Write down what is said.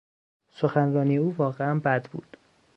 سخنرانی او واقعا بد بود.